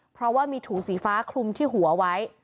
เพราะว่ามีถุงสีฟ้าคลุมที่หัวไว้